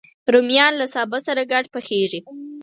رومیان له سابه سره ګډ پخېږي